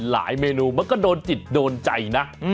เมนูมันก็โดนจิตโดนใจนะ